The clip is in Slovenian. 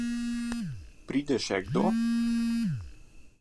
Pride še kdo?